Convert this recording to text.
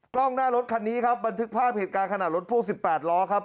กล้องหน้ารถคันนี้ครับบันทึกภาพเหตุการณ์ขณะรถพ่วง๑๘ล้อครับ